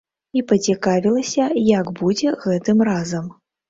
І пацікавілася, як будзе гэтым разам.